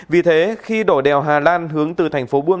vì thế khi đổ đèo hà lan hướng từ thành phố buôn